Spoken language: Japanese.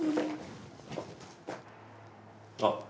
あっ。